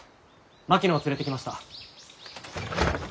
槙野を連れてきました。